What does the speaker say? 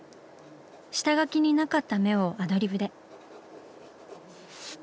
下描きになかった目をアドリブで。